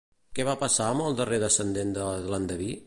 Què va passar amb el darrer descendent de l'endeví?